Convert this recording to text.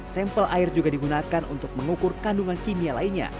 sampel air juga digunakan untuk mengukur kandungan kimia lainnya